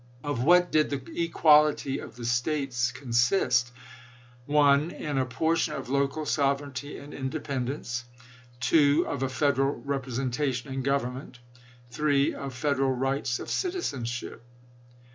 Of what did the " equality of the States " con sist ? 1. In a portion of local sovereignty and in dependence. 2. Of a Federal representation in government. 3. Of Federal rights of citizenship.